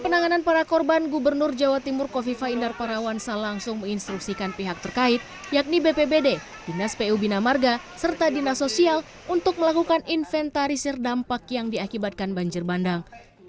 penanganan para korban gubernur jawa timur kofifa indar parawansa langsung menginstruksikan pihak terkait yakni bpbd dinas pu bina marga serta dinas sosial untuk melakukan inventarisir dampak yang diakibatkan banjir bandang